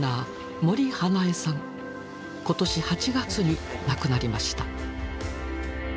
今年８月に亡くなりました。